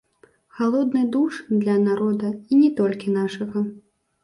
Халодны душ для народа і не толькі нашага.